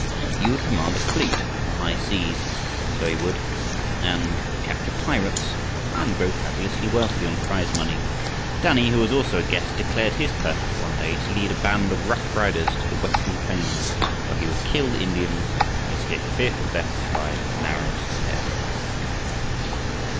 He would command a fleet on the high seas, so he would, and capture pirates, and grow fabulously wealthy on prize money. Danny, who was also a guest, declared his purpose one day to lead a band of rough riders to the Western plains, where he would kill Indians, and escape fearful deaths by the narrowest hairbreadth.